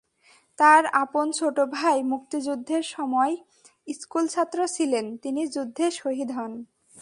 তাঁর আপন ছোট ভাই মুক্তিযুদ্ধের সময় স্কুলছাত্র ছিলেন, তিনি যুদ্ধে শহীদ হন।